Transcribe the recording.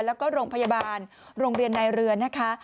แล้วก็โรงพยาบาลโรงเรียนในเรือนนะคะ